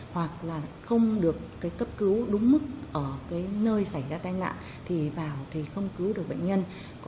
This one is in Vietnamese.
hoặc là không được cấp cứu đúng mức ở cái nơi xảy ra tai nạn thì vào thì không cứu được bệnh nhân